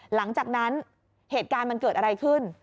หลังจากนั้นเหตุการณ์มันเกิดอะไรขึ้น